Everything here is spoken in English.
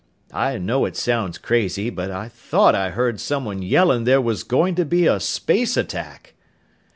I know it sounds crazy, but I thought I heard someone yelling there was going to be a space attack."